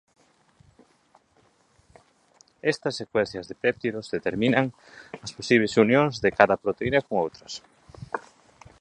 Estas secuencias de péptidos determinan as posibles unións de cada proteína con outras.